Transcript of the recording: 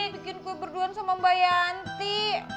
bikin gue berduan sama mba yanti